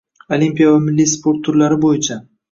Olimpiya va milliy sport turlari bo‘yicha